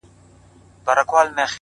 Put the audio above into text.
نن دي دواړي سترگي سرې په خاموشۍ كـي”